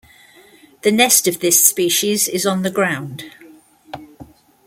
The nest of this species is on the ground.